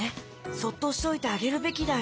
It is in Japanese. そっとしておいてあげるべきだよ。